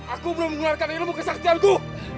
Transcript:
aku belum menggunakan ilmu kesatuan ku